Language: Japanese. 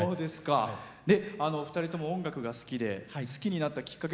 ２人とも音楽が好きで好きになったきっかけ